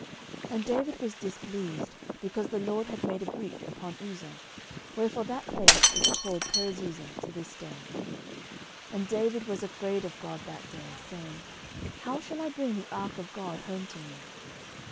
13:013:011 And David was displeased, because the LORD had made a breach upon Uzza: wherefore that place is called Perezuzza to this day. 13:013:012 And David was afraid of God that day, saying, How shall I bring the ark of God home to me?